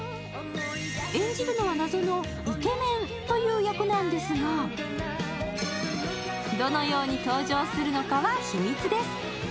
演じるのは謎のイケメンという役なんですがどのように登場するのかは秘密です。